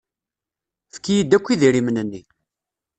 Efk-iyi-d akk idrimen-nni.